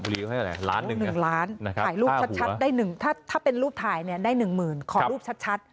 ร้านนึงนะครับถ้าเป็นรูปถ่ายได้หนึ่งหมื่นขอรูปชัด